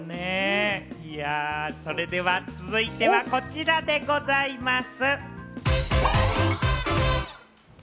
それでは続いてはこちらでございます。